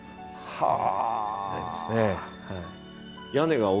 はあ！